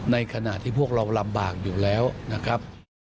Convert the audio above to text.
ในขณะที่พวกเราลำบากอยู่แล้วนะครับ